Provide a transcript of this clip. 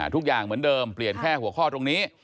ทุกอย่างเหมือนเดิมเปลี่ยนแค่หัวข้อตรงนี้